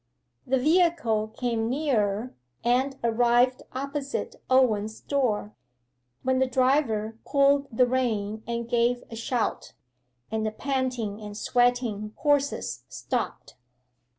The vehicle came nearer, and arrived opposite Owen's door, when the driver pulled the rein and gave a shout, and the panting and sweating horses stopped.